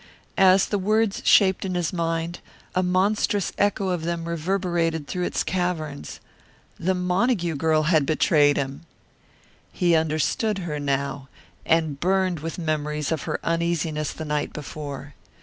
As the words shaped in his mind, a monstrous echo of them reverberated through its caverns the Montague girl had betrayed him! He understood her now, and burned with memories of her uneasiness the night before.